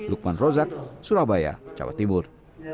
lukman rozak surabaya jawa timur